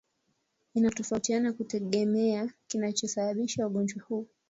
Inatofautiana kutegemea kinachosababisha ugonjwa huu